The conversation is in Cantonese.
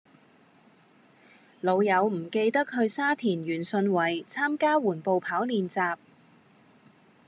老友唔記得去沙田源順圍參加緩步跑練習